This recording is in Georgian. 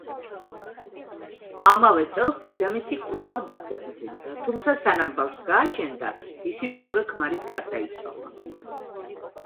ამავე წელს დედამისი კვლავ დაფეხმძიმდა, თუმცა სანამ ბავშვს გააჩენდა მისი მეორე ქმარიც გარდაიცვალა.